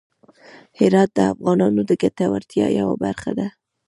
هرات د افغانانو د ګټورتیا یوه برخه ده.